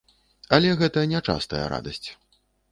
Але гэта нячастая радасць.